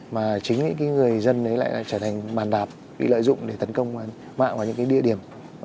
mà chính những người dân đấy lại trở thành bàn đạp bị lợi dụng để tấn công mạng vào những cái địa điểm